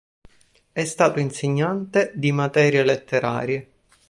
È stato insegnante di materie letterarie.